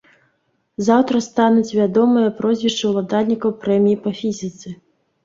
Заўтра стануць вядомыя прозвішчы ўладальнікаў прэміі па фізіцы.